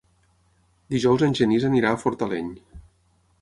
Dijous en Genís irà a Fortaleny.